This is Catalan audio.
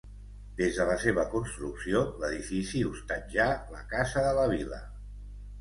Des de la seva construcció l'edifici hostatjà la Casa de la Vila.